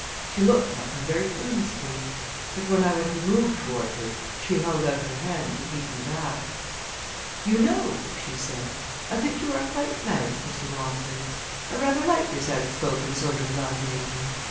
She looked at me very earnestly; but when I would have moved toward her she held out her hand to keep me back. "You know," she said, "I think you are quite nice, Mr. Walmsley. I rather like this outspoken sort of love making.